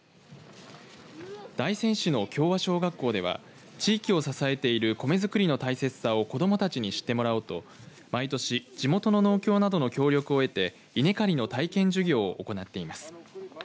大仙市の協和小学校では地域を支えている米作りの大切さを子どもたちに知ってもらおうと毎年、地元の農協などの協力を得て稲刈りの体験授業を行っています。